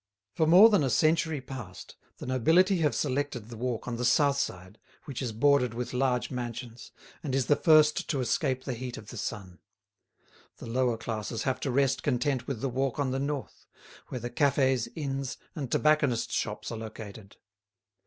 For more than a century past the nobility have selected the walk on the south side, which is bordered with large mansions, and is the first to escape the heat of the sun; the lower classes have to rest content with the walk on the north, where the cafes, inns, and tobacconists' shops are located.